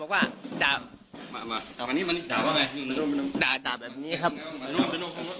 แต่พ่อผมยังมีชีวิตอยู่นะครับพูดประโยคนี้ประมาณ๓รอบ